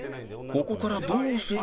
ここからどうする？